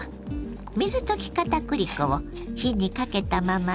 水溶きかたくり粉を火にかけたまま入れ